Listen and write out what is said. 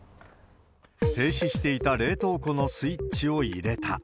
停止していた冷凍庫のスイッチを入れた。